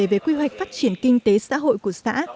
về quy hoạch phát triển kinh tế xã hội của xã